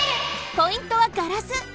ポイントはガラス！